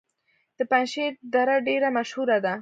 د پنجشیر دره ډیره مشهوره ده